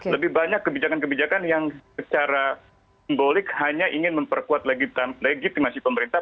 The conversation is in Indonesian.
lebih banyak kebijakan kebijakan yang secara simbolik hanya ingin memperkuat legitimasi pemerintah